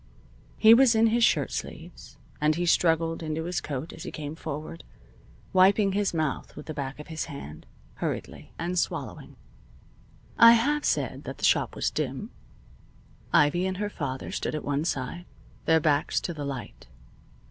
He was in his shirt sleeves, and he struggled into his coat as he came forward, wiping his mouth with the back of his hand, hurriedly, and swallowing. I have said that the shop was dim. Ivy and her father stood at one side, their backs to the light.